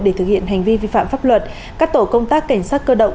để thực hiện hành vi vi phạm pháp luật các tổ công tác cảnh sát cơ động